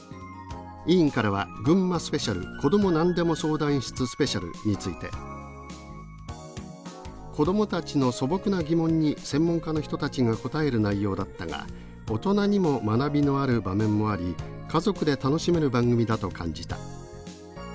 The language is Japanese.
委員からはぐんまスペシャル「こどもナンデモ相談室スペシャル」について「子供たちの素朴な疑問に専門家の人たちが答える内容だったが大人にも学びのある場面もあり家族で楽しめる番組だと感じた」